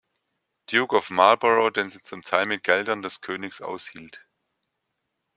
Duke of Marlborough, den sie zum Teil mit Geldern des Königs aushielt.